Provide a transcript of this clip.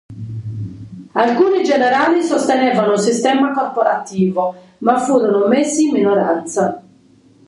Alcuni generali sostenevano un sistema corporativo, ma furono messi in minoranza.